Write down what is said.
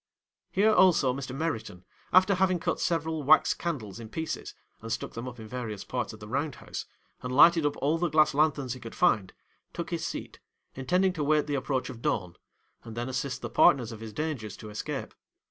'Here also Mr. Meriton, after having cut several wax candles in pieces, and stuck them up in various parts of the round house, and lighted up all the glass lanthorns he could find, took his seat, intending to wait the approach of dawn; and then assist the partners of his dangers to escape.